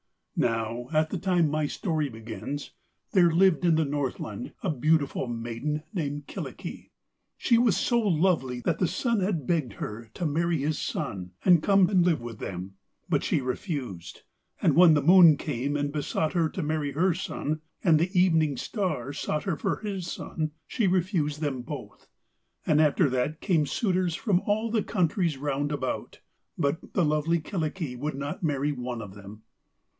Now at the time my story begins, there lived in the Northland a beautiful maiden named Kyllikki. She was so lovely that the Sun had begged her to marry his son and come and live with them. But she refused, and when the Moon came and besought her to marry her son, and the Evening Star sought her for his son, she refused them both. And after that came suitors from all the countries round about, but the lovely Kyllikki would not marry one of them.